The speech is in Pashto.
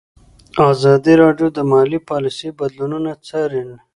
ازادي راډیو د مالي پالیسي بدلونونه څارلي.